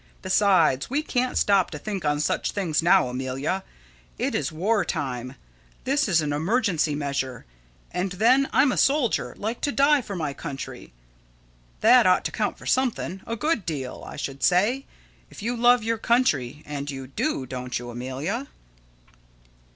Besides, we can't stop to think of such things now, Amelia. It is war time. This is an emergency measure. And, then, I'm a soldier like to die for my country. That ought to count for something a good deal, I should say if you love your country, and you do, don't you, Amelia?